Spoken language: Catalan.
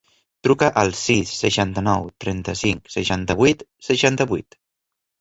Truca al sis, seixanta-nou, trenta-cinc, seixanta-vuit, seixanta-vuit.